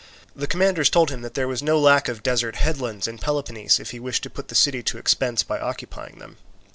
The commanders told him that there was no lack of desert headlands in Peloponnese if he wished to put the city to expense by occupying them.